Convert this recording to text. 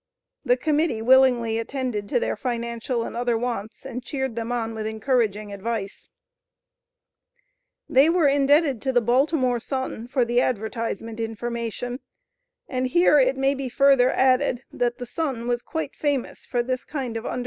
The Committee willingly attended to their financial and other wants, and cheered them on with encouraging advice. They were indebted to "The Baltimore Sun" for the advertisement information. And here it may be further added, that the "Sun" was quite famous for this kind of U.G.